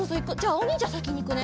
おにんじゃさきにいくね。